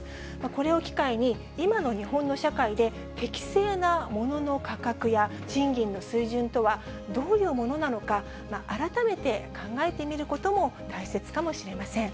これを機会に、今の日本の社会で、適正な物の価格や賃金の水準とはどういうものなのか、改めて考えてみることも大切かもしれません。